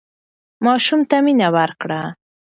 ماشوم ته مینه ورکړه.